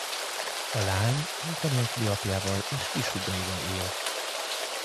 A Lány munkanélküli apjával és kishúgaival él.